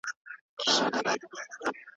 که سوله وشي نو خلک به په ارامۍ کې ژوند وکړي.